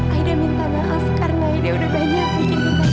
aida minta maaf karena aida udah banyak bikin bantuan